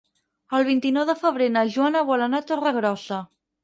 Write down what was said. El vint-i-nou de febrer na Joana vol anar a Torregrossa.